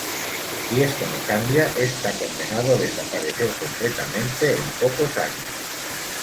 Si esto no cambia está condenado a desaparecer completamente en pocos años.